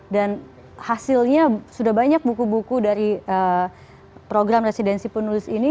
dan hasilnya sudah banyak buku buku dari program residensi penulis ini